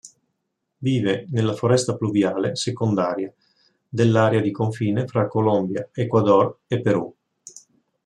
Vive nella foresta pluviale secondaria dell'area di confine fra Colombia, Ecuador e Perù.